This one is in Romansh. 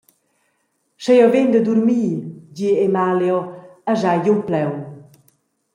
«Sche jeu vegn da durmir», di Emalio e schai giun plaun.